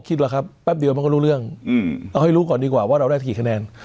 ครับแป๊บเดียวมันก็รู้เรื่องเอาให้รู้ก่อนดีกว่าว่าเราได้กี่คะแนน